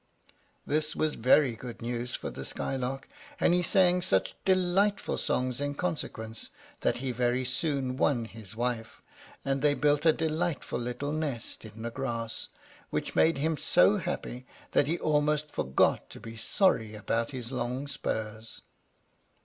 This was very good news for the Skylark, and he sang such delightful songs in consequence, that he very soon won his wife; and they built a delightful little nest in the grass, which made him so happy that he almost forgot to be sorry about his long spurs.